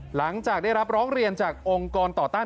หลังจากได้รับร้องเรียนจากองค์กรต่อต้าน